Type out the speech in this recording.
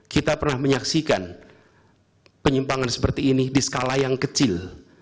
kita pernah menyaksikan penyimpangan seperti ini di skala yang kecil